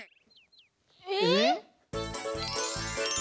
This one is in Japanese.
えっ！？